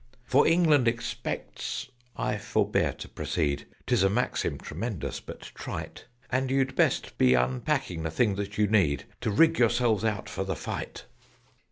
"For England expects I forbear to proceed: 'Tis a maxim tremendous, but trite: And you'd best be unpacking the things that you need To rig yourselves out for the fight."